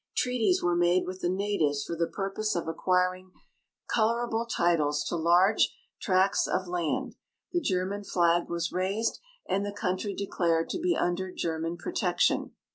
Treaties were made with the natives for the purpose of acquiring colorable titles to large tracts of land, the German flag was raised, and the countr}' de clared to be under German protection.